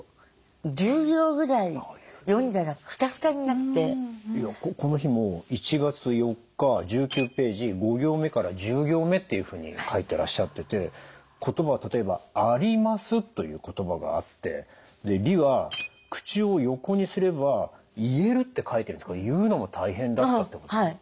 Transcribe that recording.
その時はこの日も１月４日１９ページ５行目から１０行目っていうふうに書いてらっしゃってて言葉は例えば「あります」という言葉があって「り」は「口を横にすれば言える」って書いてるんですが言うのも大変だったってことですか？